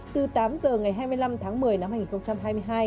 từ tám giờ ngày hai mươi năm tháng một mươi năm hai nghìn hai mươi hai